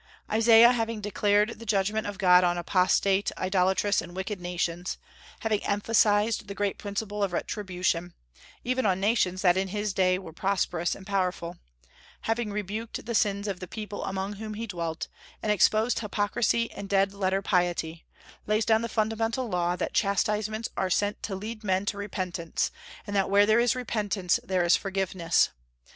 Isaiah having declared the judgment of God on apostate, idolatrous, and wicked nations; having emphasized the great principle of retribution, even on nations that in his day were prosperous and powerful; having rebuked the sins of the people among whom he dwelt, and exposed hypocrisy and dead letter piety, lays down the fundamental law that chastisements are sent to lead men to repentance, and that where there is repentance there is forgiveness.